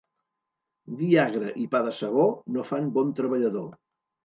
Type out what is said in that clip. Vi agre i pa de segó no fan bon treballador.